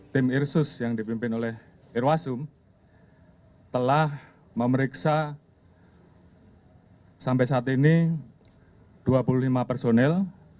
tim irsus yang dipimpin oleh irwasum telah memeriksa sampai saat ini dua puluh lima personil